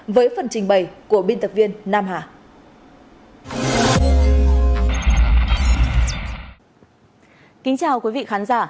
với phần trình bày của biên tập viên nam hà